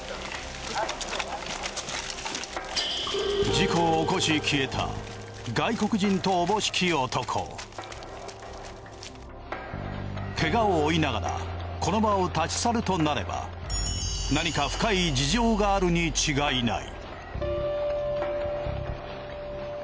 事故を起こし怪我を負いながらこの場を立ち去るとなれば何か深い事情があるに違いない。